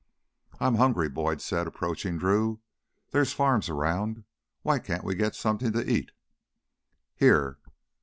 "I'm hungry," Boyd said, approaching Drew. "There're farms around. Why can't we get something to eat?" "Here."